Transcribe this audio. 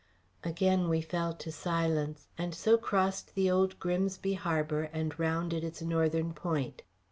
Again we fell to silence, and so crossed the Old Grimsby Harbour and rounded its northern point.